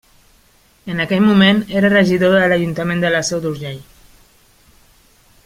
En aquell moment era regidor de l'Ajuntament de la Seu d'Urgell.